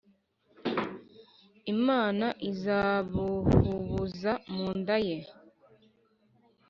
imana izabuhubuza mu nda ye